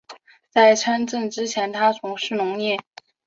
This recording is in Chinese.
在参政之前他从事农业。